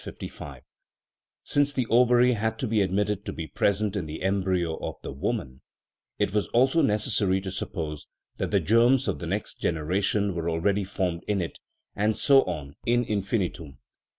55 ; since the ovary had to be admitted to be present in the embryo of the woman, it was also necessary to suppose that the germs of the next generation were already formed in it, and so on in in finitum.